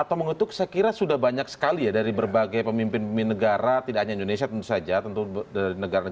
apakah yang ini berarti ota nn